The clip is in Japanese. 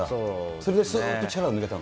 それですーっと力が抜けたの？